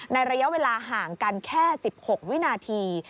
ระยะเวลาห่างกันแค่๑๖วินาที